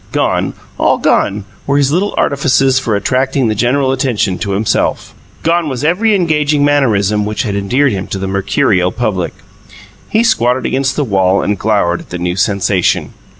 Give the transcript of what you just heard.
Gone, all gone, were his little artifices for attracting the general attention to himself; gone was every engaging mannerism which had endeared him to the mercurial public. He squatted against the wall and glowered at the new sensation.